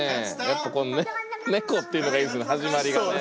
やっぱこの猫っていうのがいいですよね始まりがね。